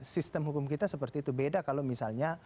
sistem hukum kita seperti itu beda kalau misalnya